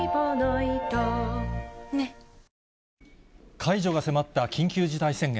解除が迫った緊急事態宣言。